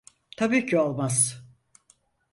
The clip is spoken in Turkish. Tabii ki olmaz.